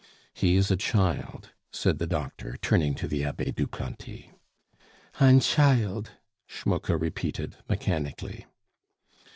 "He is a child," said the doctor, turning to the Abbe Duplanty. "Ein child," Schmucke repeated mechanically.